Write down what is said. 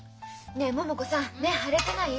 ねえ桃子さん目腫れてない？